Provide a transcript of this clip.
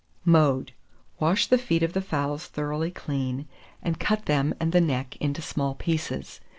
Mode. Wash the feet of the fowls thoroughly clean, and cut them and the neck into small pieces.